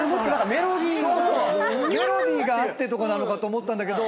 メロディーがあってとかなのかと思ったんだけど。